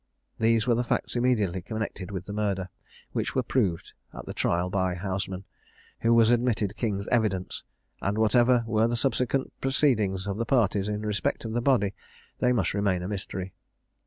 These were the facts immediately connected with the murder, which were proved at the trial by Houseman, who was admitted King's evidence; and, whatever were the subsequent proceedings of the parties in respect of the body, they must remain a mystery.